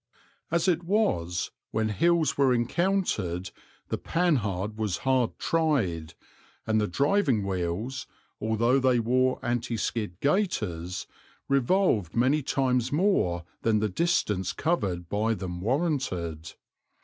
As it was, when hills were encountered the Panhard was hard tried, and the driving wheels, although they wore antiskid gaiters, revolved many times more than the distance covered by them warranted.